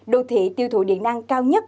đô thị tiêu thụ điện năng cao nhất